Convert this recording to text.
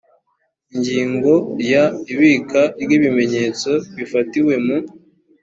ingingo ya ibika ry ibimenyetso bifatiwe mu